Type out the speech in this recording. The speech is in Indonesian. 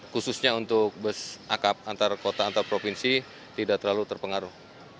khususnya untuk bus akap antar kota antar provinsi tidak terlalu terpengaruh